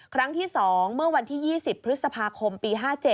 ครั้งที่๒เมื่อวันที่๒๐พฤษภาคมปี๕๗